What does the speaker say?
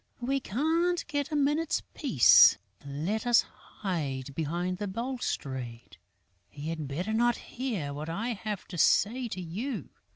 We can't get a minute's peace. Let us hide behind the balustrade. He had better not hear what I have to say to you."